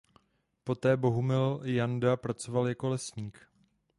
Poté Bohumil Janda pracoval jako lesní dělník.